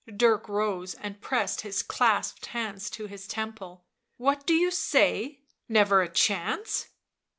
r ? S( S and pressed his clasped hand to his temple ^ What do you say? never a chance?"